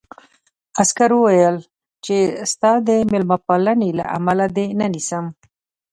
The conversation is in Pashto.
عسکر وویل چې ستا د مېلمه پالنې له امله دې نه نیسم